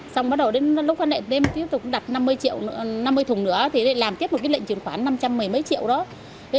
xong rồi đến lúc đặt năm mươi thùng nữa thì lại làm tiếp một lệnh chuyển khoản năm trăm một mươi triệu đó